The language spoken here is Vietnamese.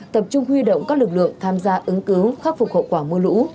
tập trung huy động các lực lượng tham gia ứng cứu khắc phục hậu quả mưa lũ